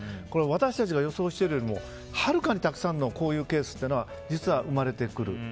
私たちが予想しているよりもはるかにたくさんのこういうケースというのは実は生まれてくる。